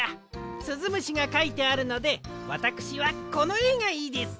すずむしがかいてあるのでわたくしはこのえがいいです！